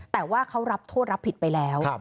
แต่ว่าเขารับโทษรับผิดไปแล้ว